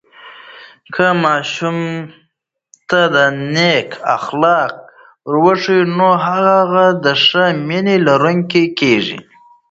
که ماشوم ته نیک اخلاق وښیو، نو هغه ښه مینه لرونکی کېږي.